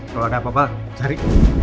kalau ada apa apa cari